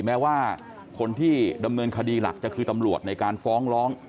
แม้ว่าคนที่ดำเนินคดีหลักจะคือตำรวจในการฟ้องร้อง